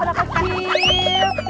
udah berapa kecil